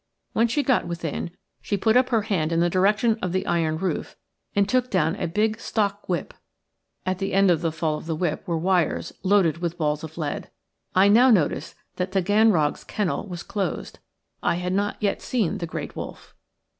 When she got within she put up her hand in the direction of the iron roof and took down a big stock whip. At the end of the fall of the whip were wires loaded with balls of lead. I now noticed that Taganrog's kennel was closed. I had not yet seen the great wolf.